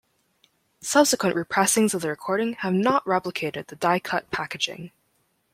Subsequent re-pressings of the recording have not replicated the die-cut packaging.